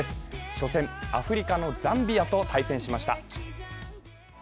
初戦、アフリカのザンビアと対戦しました。